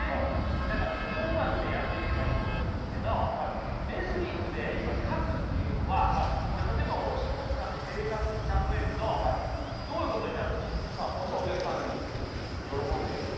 だからそこをうまくやっていけばいいと思うんですけどレスリングで言う勝つっていうのは例えばおろしぽんづさんの生活に例えるとどういうことになるんでしょう？